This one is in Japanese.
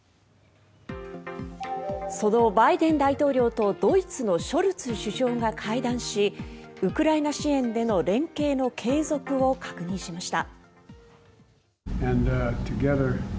そのバイデン大統領とドイツのショルツ首相が会談しウクライナ支援での連携の継続を確認しました。